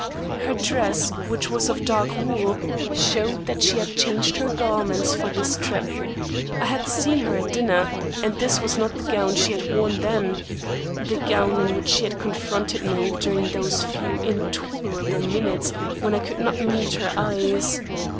Her dress, which was of dark wool, showed that she had changed her garments for this trip. I had seen her at dinner, and this was not the gown she had worn then the gown in which she had confronted me during those few intolerable minutes when I could not meet her eyes.